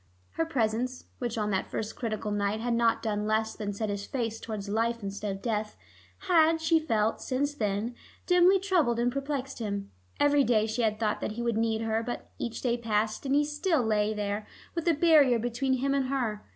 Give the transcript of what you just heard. Her presence, which on that first critical night had not done less than set his face towards life instead of death, had, she felt, since then, dimly troubled and perplexed him. Every day she had thought that he would need her, but each day passed, and he still lay there, with a barrier between him and her.